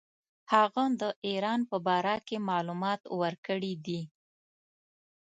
هغه د ایران په باره کې معلومات ورکړي دي.